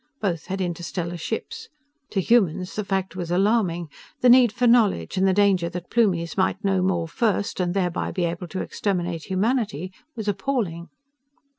Both had interstellar ships. To humans, the fact was alarming. The need for knowledge, and the danger that Plumies might know more first, and thereby be able to exterminate humanity, was appalling.